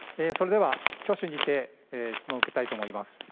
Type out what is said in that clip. それでは、挙手にて質問を受けたいと思います。